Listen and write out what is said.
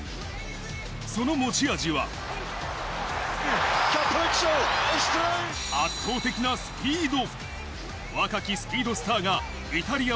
その持ち味は、圧倒的なスピード。